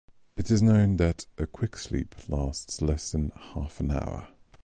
It is known that a quick sleep lasts less than half an hour.